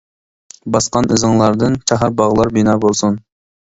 باسقان ئىزىڭلاردىن چاھار باغلار بىنا بولسۇن!